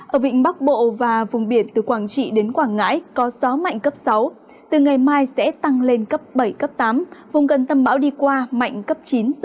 ở vịnh bắc bộ và vùng biển từ quảng trị đến quảng ngãi có gió mạnh cấp sáu từ ngày mai sẽ tăng lên cấp bảy tám vùng gần tâm bão đi qua mạnh cấp chín một mươi một